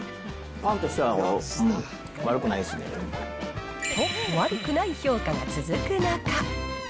パンとしては悪くないと、悪くない評価が続く中。